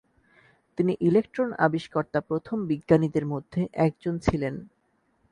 তিনি ইলেক্ট্রন আবিষ্কর্তা প্রথম বিজ্ঞানীদের মধ্যে একজন ছিলেন।